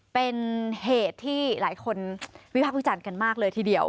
เป็นเหตุที่หลายคนวิพากษ์วิจารณ์กันมากเลยทีเดียว